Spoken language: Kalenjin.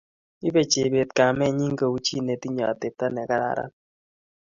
Ibe Chebet kamenyi ku chi netinye atepto negararan